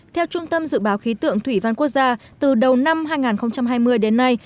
theo trung tâm dự báo khí tượng thủy văn quốc gia từ đầu năm hai nghìn hai mươi đến nay